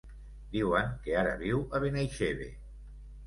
Diuen que ara viu a Benaixeve.